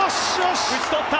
打ち取った！